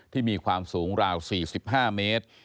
มีความสูงราว๔๕เมตร